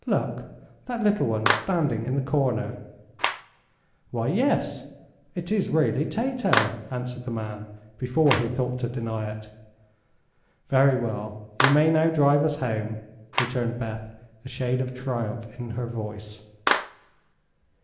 Look that little one standing in the corner?" "Why, yes; it is really Tato," answered the man, before he thought to deny it. "Very well; you may now drive us home," returned Beth, a shade of triumph in her voice.